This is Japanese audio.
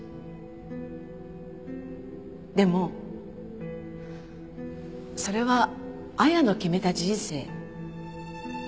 でもそれは亜矢の決めた人生。